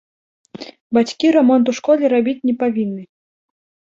Бацькі рамонт у школе рабіць не павінны.